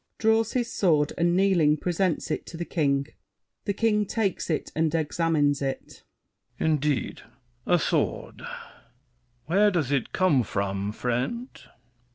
[Draws his sword and, kneeling, presents it to The King. THE KING (takes it and examines it). Indeed, a sword! Where does it come from, friend?